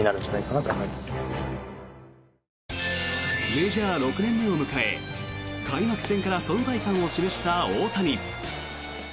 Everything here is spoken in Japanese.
メジャー６年目を迎え開幕戦から存在感を示した大谷。